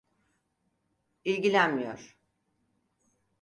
İlgilenmiyor.